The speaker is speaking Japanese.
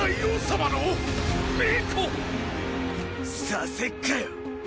させっかよ！！